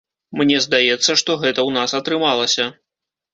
Мне здаецца, што гэта ў нас атрымалася.